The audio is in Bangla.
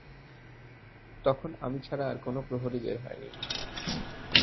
তখন আমি ছাড়া আর কোন প্রহরী বের হয়নি।